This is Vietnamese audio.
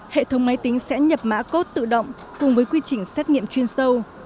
hệ thống máy tính sẽ nhập mã code tự động cùng với quy trình xác nghiệm chuyên sâu